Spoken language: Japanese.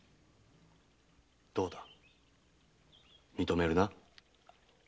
どうだ認めるな？